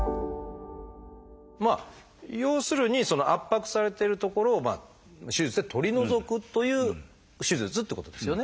要するにその圧迫されてる所を手術で取り除くという手術ってことですよね。